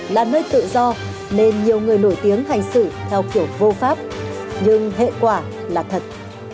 là nơi tự do nên nhiều người nổi tiếng hành xử theo kiểu vô pháp nhưng hệ quả là thật